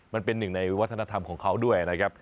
มันเป็นหนึ่งในวัฒนธรรมของเขาด้วยนะครับ